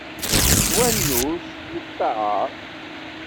S wannuz, u ṭṭaɛa.